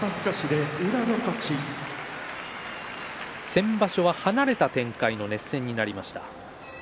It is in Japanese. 先場所は離れた展開の熱戦になりました。